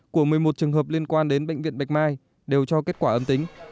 của một mươi một trường hợp liên quan đến bệnh viện bạch mai đều cho kết quả âm tính